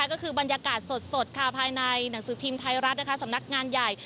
ก็คือบรรยากาศสดค่ะภายในหนังสือพิมพ์ไทยรัฐนะคะสำนักงานใหญ่